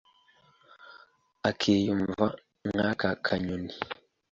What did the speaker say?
akiyumva nk’aka kanyoni